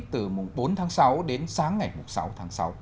từ mùng bốn tháng sáu đến sáng ngày sáu tháng sáu